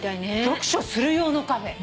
読書する用のカフェ。